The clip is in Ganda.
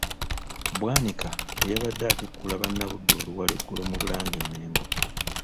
Bwanika, bwe yabadde atikkula Bannabuddu oluwalo eggulo mu Bulange e Mmengo.